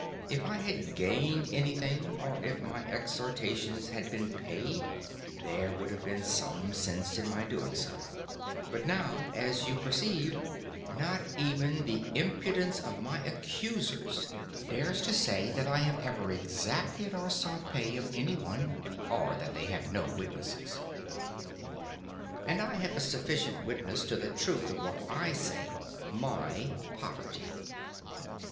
If I had gained anything, or if my exhortations had been paid, there would have been some sense in my doing so; but now, as you will perceive, not even the impudence of my accusers dares to say that I have ever exacted or sought pay of any one; of that they have no witness. And I have a sufficient witness to the truth of what I say—my poverty.